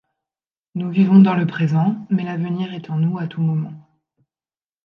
Nous vivons dans le présent, mais l'avenir est en nous à tout moment.